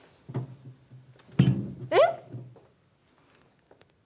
えっ？